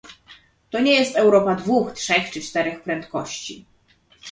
To nie jest Europa dwóch, trzech czy czterech prędkości